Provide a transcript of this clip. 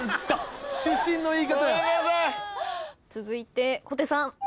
続いて小手さん。